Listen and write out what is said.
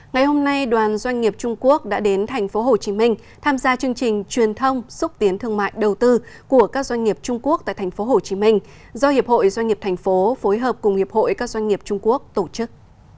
ngày hôm nay đoàn doanh nghiệp trung quốc đã đến tp hcm tham gia chương trình truyền thông xúc tiến thương mại đầu tư của các doanh nghiệp trung quốc tại tp hcm do hiệp hội doanh nghiệp thành phố phối hợp cùng hiệp hội các doanh nghiệp trung quốc tổ chức